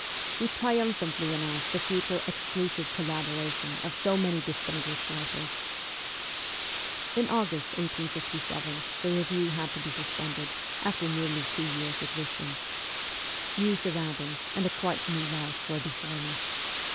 We triumphantly announced the future ' exclusive collaboration ' of so many distinguished writers. In August 1857 the review had to be suspended, after nearly two years' existence. New surroundings and a quite new life were before me.